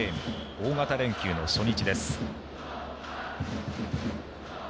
大型連休の初日です。